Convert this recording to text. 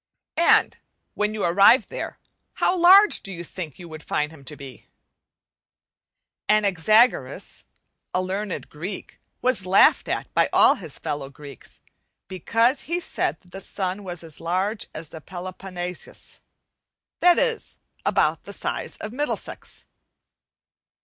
And when you arrived there, how large do you think you would find him to be? Anaxagoras, a learned Greek, was laughed at by all his fellow Greeks because he said that the sun was as large as the Peloponne sus, that is about the size of Middlesex.